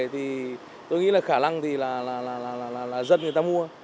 thì tôi nghĩ là khả năng thì là dân người ta mua